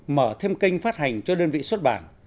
mở thêm kênh phát hành cho đơn vị xuất bản